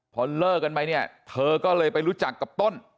พอเลิกกันไปเนี่ยเธอก็เลยไปรู้จักกับต้น